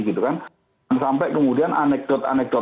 gitu kan sampai kemudian anekdot anekdot